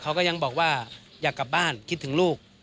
เขาก็ยังบอกว่าอยากกลับบ้านคิดถึงลูก